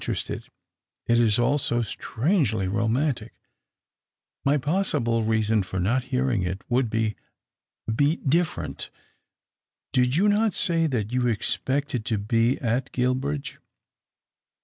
I am interested — it is all so strangely romantic 1 My possible reason for not hearing it would be — be different. Did you not say that you expected to be at Guilbridge